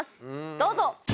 どうぞ！